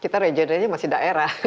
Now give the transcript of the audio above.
kita regionalnya masih daerah